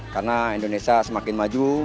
karena indonesia semakin maju